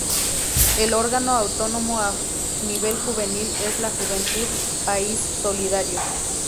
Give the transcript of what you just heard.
El órgano autónomo a nivel juvenil es la Juventud País Solidario.